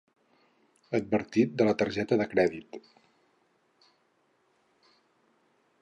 Advertit de la targeta de crèdit.